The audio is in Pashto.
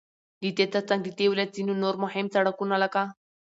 ددې ترڅنگ ددې ولايت ځينو نور مهم سړكونه لكه: